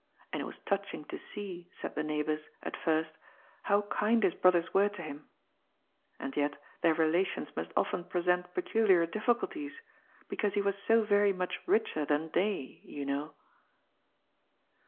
And it was touching to see, said the neighbours, at first, how kind his brothers were to him. And yet their relations must often present peculiar difficulties, because he was so very much richer than they, you know.